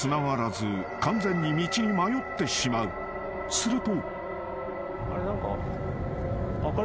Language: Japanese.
［すると］